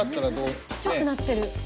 ちっちゃくなってる。